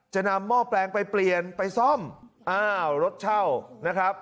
จะนำหม้อแปลงไปเปลี่ยนไปซ่อมอ้าวรถเช่านะครับ